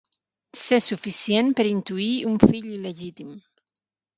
Ser suficient per intuir un fill il·legítim.